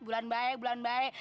bulan baik bulan baik